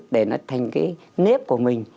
để nó thành cái nếp của mình